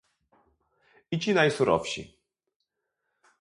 "I ci najsurowsi."